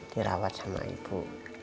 dirawat sama ibu